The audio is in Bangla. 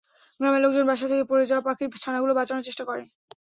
গ্রামের লোকজন বাসা থেকে পড়ে যাওয়া পাখির ছানাগুলো বাঁচানোর চেষ্টা করে।